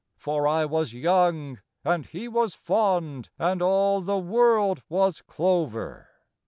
59 For I was young and he was fond, And all the world was clover.